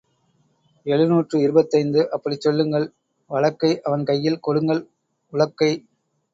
எழுநூற்று இருபத்தைந்து அப்படிச் சொல்லுங்கள் வழக்கை அவன் கையில் கொடுங்கள் உழக்கை.